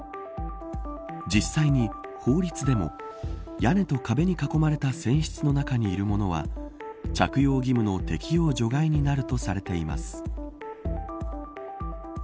実際に、法律でも屋根と壁に囲まれた船室の中にいる者は着用義務の適用除外になるとされています。